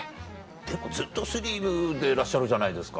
でもずっとスリムでいらっしゃるじゃないですか。